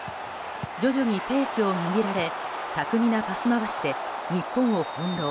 徐々にペースを握られ巧みなパス回しで日本を翻弄。